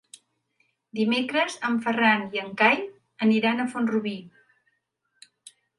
Dimecres en Ferran i en Cai aniran a Font-rubí.